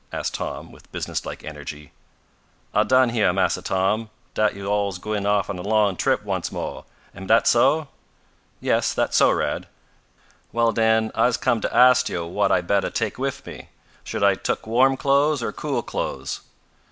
asked Tom, with businesslike energy. "I done heah, Massa Tom, dat yo' all's gwine off on a long trip once mo'. Am dat so?" "Yes, that's so, Rad." "Well, den, I'se come to ast yo' whut I'd bettah take wif me. Shall I took warm clothes or cool clothes?"